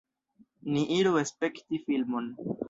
Ni iru spekti filmon.